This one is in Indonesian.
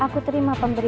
aku ingin memperkenalkanmu